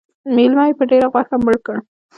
_مېلمه يې په ډېره غوښه مړ کړ.